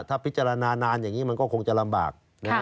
ถ้าพิจารณานานอย่างนี้มันก็คงจะลำบาก